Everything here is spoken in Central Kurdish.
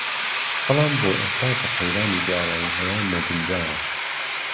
بهڵام بۆ ئێستا كه قهیرانی دارایی ههیه نهگونجاوه